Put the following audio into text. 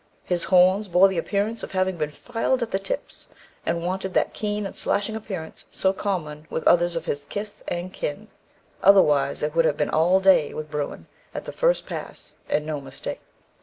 His horns bore the appearance of having been filed at the tips, and wanted that keen and slashing appearance so common with others of his kith and kin; otherwise it would have been 'all day' with Bruin at the first pass, and no mistake.